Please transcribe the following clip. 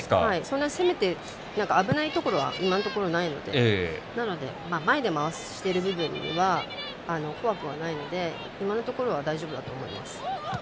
攻めて、危ないところはないと思うので前で回してるときは怖くはないので、今のところは大丈夫だと思います。